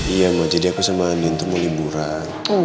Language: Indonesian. iya mah jadi aku sama andin tuh mau liburan